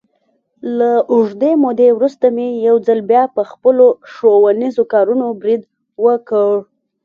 له اوږدې مودې ورسته مې یو ځل بیا، په خپلو ښوونیزو کارونو برید وکړ.